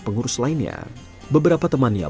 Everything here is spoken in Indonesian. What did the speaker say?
pengurus lainnya beberapa temannya